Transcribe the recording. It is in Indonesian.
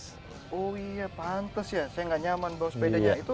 saya gak nyaman bawa sepedanya